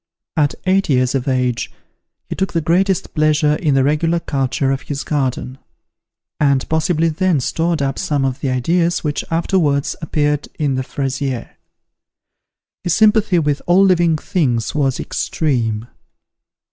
At eight years of age, he took the greatest pleasure in the regular culture of his garden; and possibly then stored up some of the ideas which afterwards appeared in the "Fraisier." His sympathy with all living things was extreme.